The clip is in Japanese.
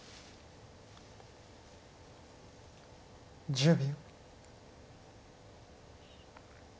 １０秒。